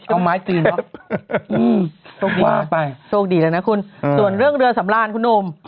เอาไม้จีนครับโชคดีเลยนะคุณส่วนเรื่องเรือสำราญคุณหนุ่ม